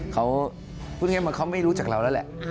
เขาไม่รู้จักเราแล้วแหละ